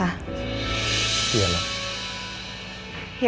dan harus ikhlas tentang elsa